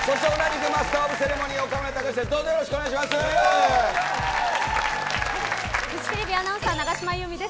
フジテレビアナウンサー永島優美です。